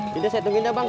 tidak saya tunggu ini bang